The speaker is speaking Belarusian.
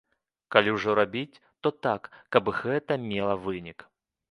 Калі ўжо рабіць, то так, каб гэта мела вынік.